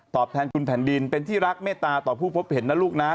แทนคุณแผ่นดินเป็นที่รักเมตตาต่อผู้พบเห็นนะลูกนะ